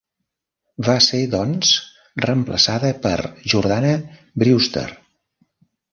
Va ser doncs reemplaçada per Jordana Brewster.